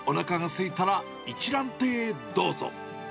おなかがすいたら一卵亭へどうぞ。